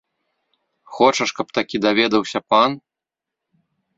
Хочаш, каб такі даведаўся пан?!